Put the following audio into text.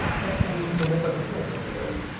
ずっとネタできないさすがに。